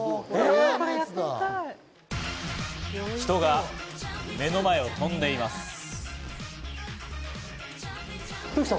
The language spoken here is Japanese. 人が目の前を飛んでいます。